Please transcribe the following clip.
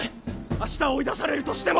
明日追い出されるとしても！